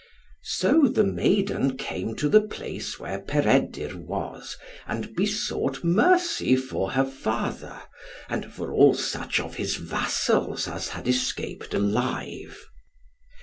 So the maiden came to the place where Peredur was, and besought mercy for her father, and for all such of his vassals as had escaped alive.